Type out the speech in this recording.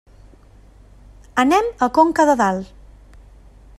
Anem a Conca de Dalt.